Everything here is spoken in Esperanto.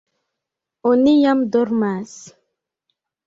Oni jam dormas.